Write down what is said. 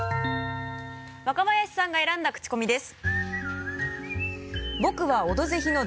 若林さんが選んだクチコミです。